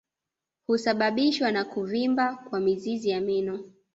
Husababishwa na kuvimba kwa mizizi ya meno